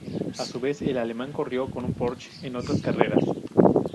A su vez, el alemán corrió con Porsche en otras carreras.